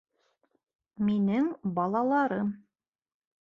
Минең балаларым